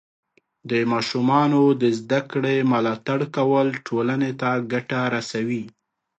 د ماشومانو د زده کړې ملاتړ کول ټولنې ته ګټه رسوي.